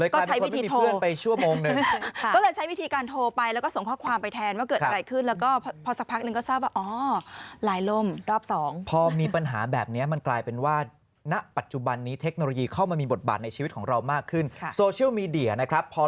ก็ใช้วิธีโทรก็เลยใช้วิธีการโทรไปแล้วก็ส่งความไปแทนว่าเกิดอะไรขึ้น